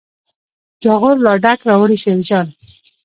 جاغور لا ډک راوړي شیرجان.